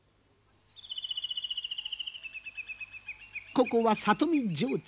ここは里見城中。